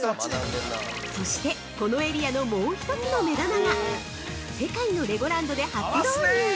◆そして、このエリアのもう一つの目玉が世界のレゴランドで初導入